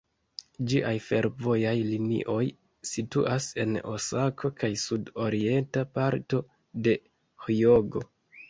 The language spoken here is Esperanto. Ĝiaj fervojaj linioj situas en Osako kaj sud-orienta parto de Hjogo.